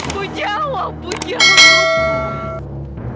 pu jawab pu jawab